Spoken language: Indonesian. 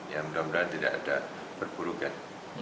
ya mudah mudahan tidak ada perburukan